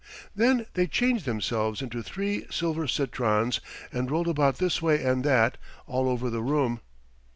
Then they changed themselves into three silver citrons and rolled about this way and that, all over the room.